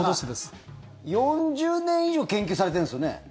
４０年以上研究されてるんですよね。